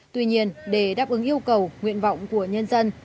tuy nhiên để đáp ứng yêu cầu nguyện vọng của nhân dân